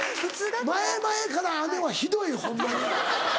前々からあれはひどいホンマに！